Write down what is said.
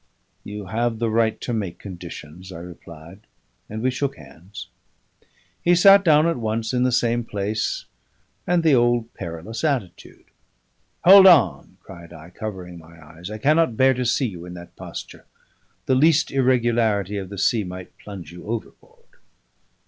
"You have the right to make conditions," I replied, and we shook hands. He sat down at once in the same place and the old perilous attitude. "Hold on!" cried I, covering my eyes. "I cannot bear to see you in that posture. The least irregularity of the sea might plunge you overboard."